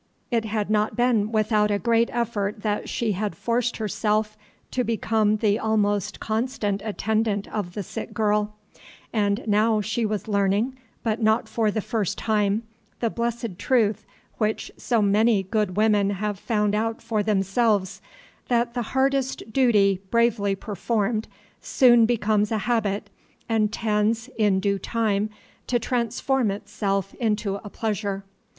It had not been without a great effort that she had forced herself to become the almost constant attendant of the sick girl; and now she was learning, but not for the first time, the blessed truth which so many good women have found out for themselves, that the hardest duty bravely performed soon becomes a habit, and tends in due time to transform itself into a pleasure.